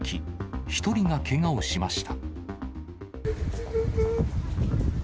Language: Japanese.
１人がけがをしました。